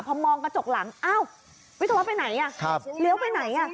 พอมองกระจกหลังอ้าววิทยาลักษณ์ไปไหนเลี้ยวไปไหน